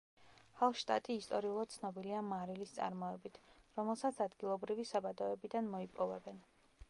ჰალშტატი ისტორიულად ცნობილია მარილის წარმოებით, რომელსაც ადგილობრივი საბადოებიდან მოიპოვებენ.